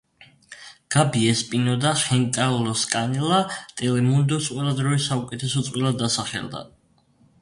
გაბი ესპინო და ხენკარლოს კანელა ტელემუნდოს ყველა დროის საუკეთესო წყვილად დასახელდა.